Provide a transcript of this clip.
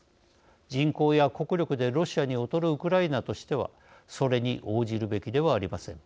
人口や国力でロシアに劣るウクライナとしてはそれに応じるべきではありません。